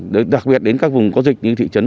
rồi đặc biệt đến các vùng có dịch như thị trấn